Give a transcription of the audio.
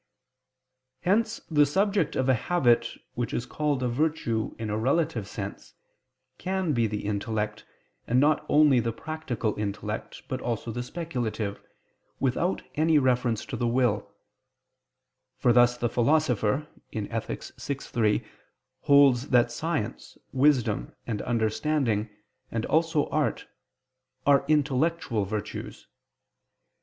Hence the subject of a habit which is called a virtue in a relative sense, can be the intellect, and not only the practical intellect, but also the speculative, without any reference to the will: for thus the Philosopher (Ethic. vi, 3) holds that science, wisdom and understanding, and also art, are intellectual virtues.